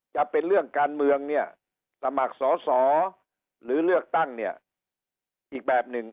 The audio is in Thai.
จะเป็นเรื่องการเมืองเนี่ยสมัครสอสอหรือเลือกตั้งเนี่ยอีกแบบหนึ่ง